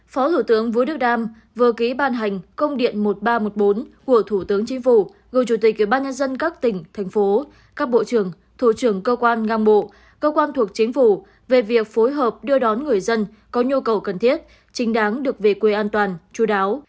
phó thủ tướng vũ đức đam vừa ký ban hành công điện một nghìn ba trăm một mươi bốn của thủ tướng chính phủ gửi chủ tịch ủy ban nhân dân các tỉnh thành phố các bộ trưởng thủ trưởng cơ quan ngang bộ cơ quan thuộc chính phủ về việc phối hợp đưa đón người dân có nhu cầu cần thiết chính đáng được về quê an toàn chú đáo